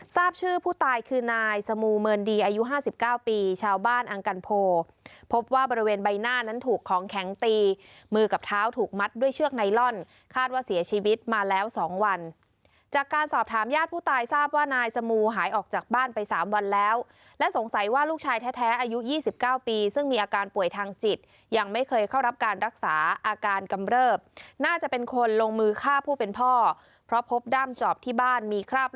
ทราบชื่อผู้ตายคือนายสมูยเมินดีอายุห้าสิบเก้าปีชาวบ้านอังกันโพพบว่าบริเวณใบหน้านั้นถูกของแข็งตีมือกับเท้าถูกมัดด้วยเชือกไนลอนคาดว่าเสียชีวิตมาแล้วสองวันจากการสอบถามญาติผู้ตายทราบว่านายสมูยหายออกจากบ้านไปสามวันแล้วและสงสัยว่าลูกชายแท้แท้อายุยี่สิบเก้าปีซึ่งมีอ